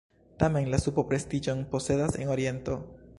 Tamen la supo prestiĝon posedas en Oriento.